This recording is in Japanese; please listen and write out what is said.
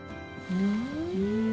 うん。